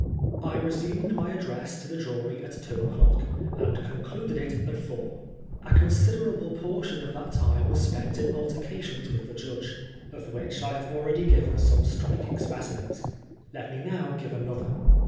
I resumed my address to the jury at two o'clock, and concluded it at four. A considerable portion of that time was spent in altercations with the judge, r^ 78 PRISONER FOR BLASPHEMY. which I have already given some striking specimens. Let me now give another.